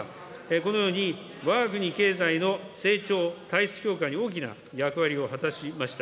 このようにわが国経済の成長、体質強化に大きな役割を果たしました。